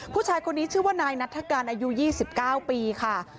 ผู้ชายคนนี้ชื่อว่านายนัฐกาลอายุ๒๙ปีค่ะ